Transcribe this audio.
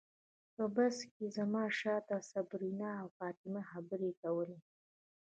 په بس کې زما شاته صبرینا او فاطمه خبرې کولې.